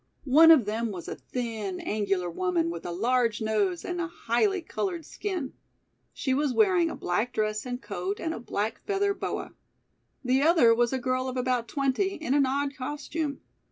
One of them was a thin, angular woman with a large nose and a highly colored skin. She was wearing a black dress and coat and a black feather boa. The other was a girl of about twenty in an odd costume.